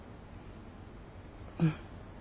うん。